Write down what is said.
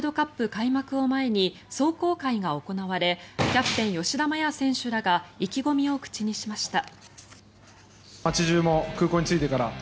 開幕を前に壮行会が行われキャプテン、吉田麻也選手らが意気込みを口にしました。